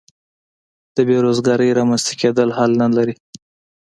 د بې روزګارۍ رامینځته کېدل حل نه لري.